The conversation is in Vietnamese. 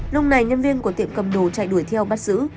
lúc này nhân viên của tiệm cầm đồ chạy đuổi theo bắt giữ